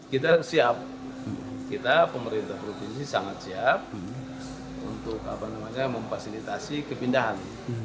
kita siap kita pemerintah provinsi sangat siap untuk memfasilitasi kepindahan